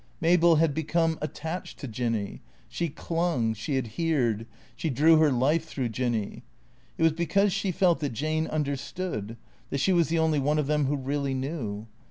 Mabel had became attached to Jinny. She clung, she adhered; she drew her life through Jinny. It was because she felt that Jane understood, that she was the only one of them who really knew.